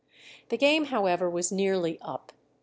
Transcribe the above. The game, however, was nearly up.